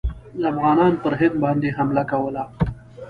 افغانانو پر هند باندي حمله کوله.